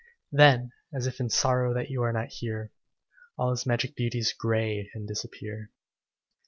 Then, as if in sorrow That you are not here, All his magic beauties Gray and disappear.